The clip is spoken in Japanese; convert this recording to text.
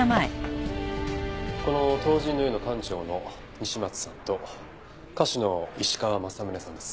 この灯神の湯の館長の西松さんと歌手の石川政宗さんです。